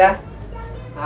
tapi ingat ya